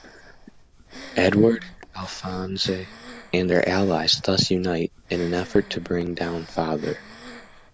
Edward, Alphonse, and their allies thus unite in an effort to bring down Father.